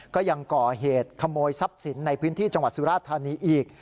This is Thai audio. ก็ยังก่อเหตุขโมยทรัพย์สินในพื้นที่จังหวัดสุราธานีอีก